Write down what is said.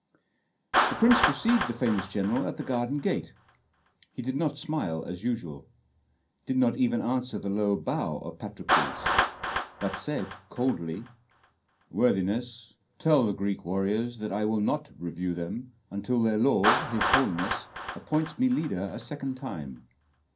The prince received the famous general at the garden gate. He did not smile as usual, did not even answer the low bow of Patrokles, but said coldly, "Worthiness, tell the Greek warriors that I will not review them until their lord, his holiness, appoints me leader a second time.